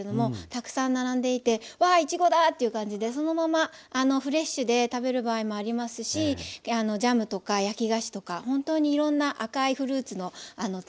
たくさん並んでいてわあいちごだという感じでそのままフレッシュで食べる場合もありますしジャムとか焼き菓子とかほんとにいろんな赤いフルーツの楽しい時期ですね。